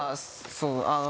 そうあの。